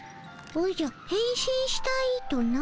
おじゃへん身したいとな？